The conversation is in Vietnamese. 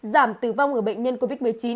giảm tử vong ở bệnh nhân covid một mươi chín